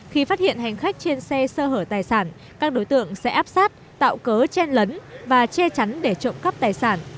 khi phát hiện hành khách trên xe sơ hở tài sản các đối tượng sẽ áp sát tạo cớ chen lấn và che chắn để trộm cắp tài sản